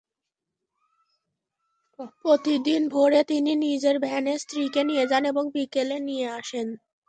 প্রতিদিন ভোরে তিনি নিজের ভ্যানে স্ত্রীকে দিয়ে যান এবং বিকেলে নিতে আসেন।